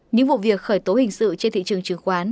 những vụ việc khởi tố hình sự trên thị trường chứng khoán